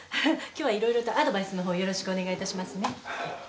今日は色々とアドバイスの方よろしくお願いいたしますね。